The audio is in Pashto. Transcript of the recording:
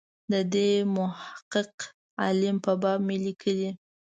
د دې محقق عالم په باب مې لیکلي.